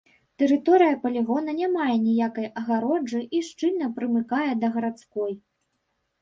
Тэрыторыя палігона не мае ніякай агароджы і шчыльна прымыкае да гарадской.